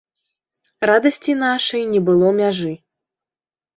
Радасці нашай не было мяжы.